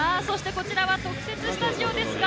こちらは特設スタジオです。